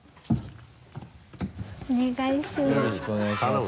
お願いします。